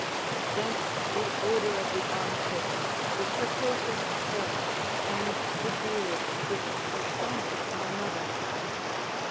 ["Thence the odour of the arm pits, the precocious hair, and the beard which astonished my mother."